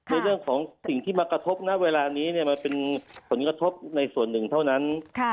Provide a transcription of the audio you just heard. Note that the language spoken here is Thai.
ในเรื่องของสิ่งที่มากระทบนะเวลานี้มันเป็นผลกระทบในส่วนหนึ่งเท่านั้น